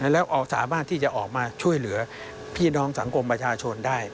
แล้วออกสามารถที่จะออกมาช่วยเหลือพี่น้องสังคมประชาชนได้